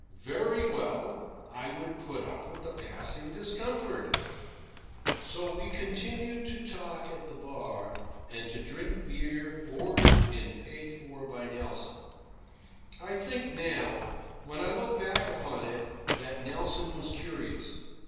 Very well, I would put up with the passing discomfort. So we continued to talk at the bar, and to drink beer ordered and paid for by Nelson. I think, now, when I look back upon it, that Nelson was curious.